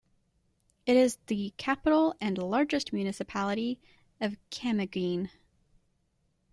It is the capital and largest municipality of Camiguin.